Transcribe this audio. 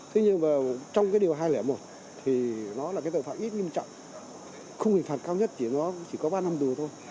thế nhưng trong điều hai trăm linh một thì nó là tội phạm ít nghiêm trọng khung hình phạt cao nhất chỉ có ba năm tù thôi